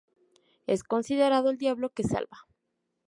Es considerado el Diablo que salva.